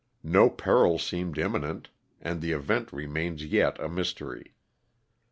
No peril seemed imminent and the event remains yet a mystery.